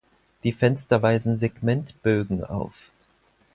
Die Fenster weisen Segmentbögen auf.